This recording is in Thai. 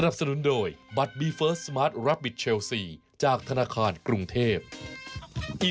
โปรดติดตามตอนต่อไป